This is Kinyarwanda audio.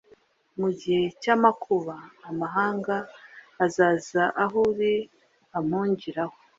Mu gihe cy’amakuba amahanga azaza aho uri ampungiraho